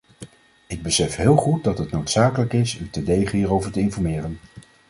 Ik besef heel goed dat het noodzakelijk is u terdege hierover te informeren.